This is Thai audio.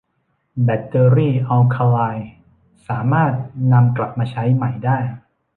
แบตเตอรี่อัลคาไลน์สามารถนำกลับมาใช้ใหม่ได้